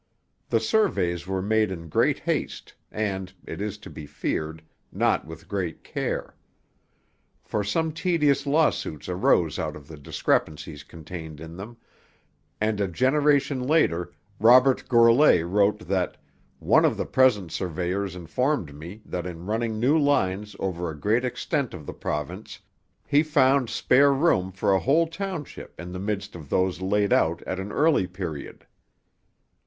The surveys were made in great haste, and, it is to be feared, not with great care; for some tedious lawsuits arose out of the discrepancies contained in them, and a generation later Robert Gourlay wrote that 'one of the present surveyors informed me that in running new lines over a great extent of the province, he found spare room for a whole township in the midst of those laid out at an early period.'